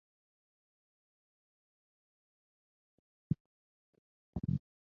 Cowart married fellow pilot James Hickerson.